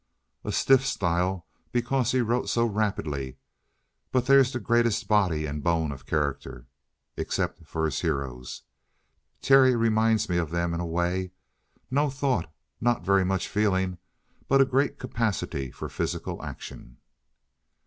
"A stiff style because he wrote so rapidly. But there's the greatest body and bone of character. Except for his heroes. Terry reminds me of them, in a way. No thought, not very much feeling, but a great capacity for physical action."